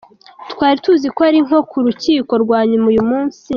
Twari tuzi ko ari nko ku rukino rwa nyuma uyu musi.